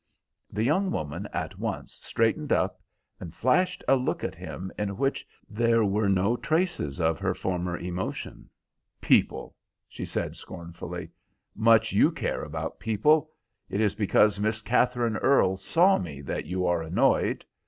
The young woman at once straightened up and flashed a look at him in which there were no traces of her former emotion. "People!" she said, scornfully. "Much you care about people. It is because Miss Katherine Earle saw me that you are annoyed.